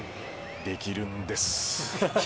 できるんです。